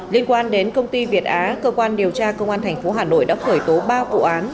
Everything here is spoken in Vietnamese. liên quan đến công ty việt á cơ quan điều tra công an tp hà nội đã khởi tố ba vụ án